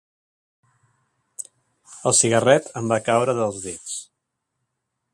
El cigarret em va caure dels dits.